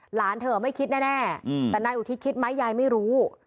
หลานเธอไม่คิดแน่แต่นายอุทิศคิดไหมยายไม่รู้